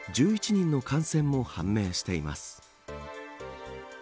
１１人の感染も判明しています。